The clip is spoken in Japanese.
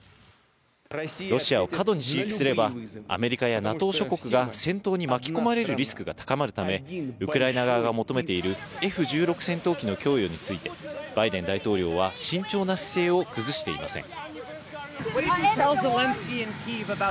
ロシアを過度に刺激すれば、アメリカやＮＡＴＯ諸国が戦闘に巻き込まれるリスクが高まるため、ウクライナ側が求めているＦ１６戦闘機の供与について、バイデン大統領は慎重な姿勢を崩していません。